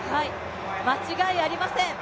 間違いありません。